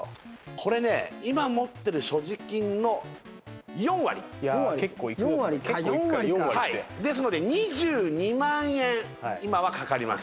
これね今持ってる所持金の４割いや結構いく４割あっ４割か４割ってですので２２万円今はかかります